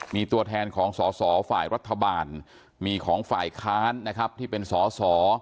มีตัวแทนของสอสอฝ่ายรัฐบาลมีของฝ่ายค้านนะครับที่เป็นสอสอ